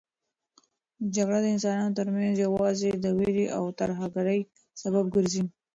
جګړه د انسانانو ترمنځ یوازې د وېرې او ترهګرۍ سبب ګرځي.